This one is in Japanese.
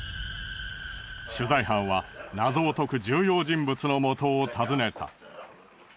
取材班は謎を解く重要人物のもとを訪ねた。